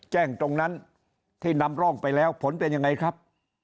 แจ้งตรงนั้นที่นำร่องไปแล้วผลเป็นยังไงครับ